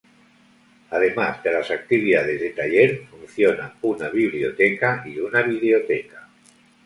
Además de las actividades de taller, funciona una biblioteca y una videoteca.